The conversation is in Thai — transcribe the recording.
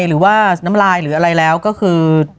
หรือว่าน้ำลายหรืออะไรแล้วก็คือ